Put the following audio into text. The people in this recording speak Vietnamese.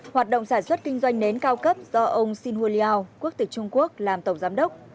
hoạt động sản xuất kinh doanh nến cao cấp do ông xin hu liao quốc tịch trung quốc làm tổng giám đốc